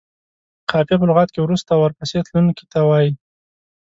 قافیه په لغت کې وروسته او ورپسې تلونکي ته وايي.